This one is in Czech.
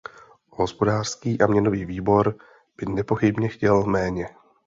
Hospodářský a měnový výbor by nepochybně chtěl méně.